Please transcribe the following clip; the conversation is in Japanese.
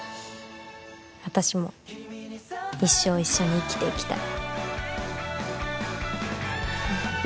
私も一生一緒に生きていきたい